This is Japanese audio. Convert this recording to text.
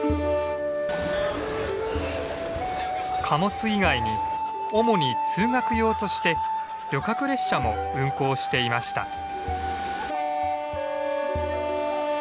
貨物以外に主に通学用として旅客列車も運行していました。